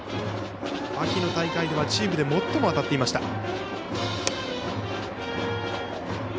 秋の大会ではチームで最も当たっていました。